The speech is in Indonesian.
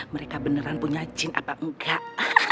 mereka beneran punya jin apa enggak